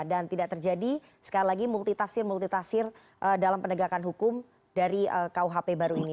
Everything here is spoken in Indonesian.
dan tidak terjadi sekali lagi multitafsir multitasir dalam penegakan hukum dari kuhp baru ini